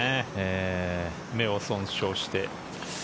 目を損傷して。